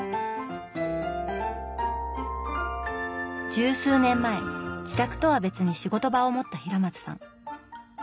十数年前自宅とは別に仕事場を持った平松さん。